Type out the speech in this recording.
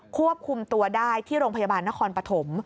ควบคุมตัวได้ที่โรงพยาบาลนครปฐม